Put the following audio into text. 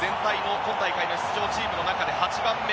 今大会出場チームの中で８番目。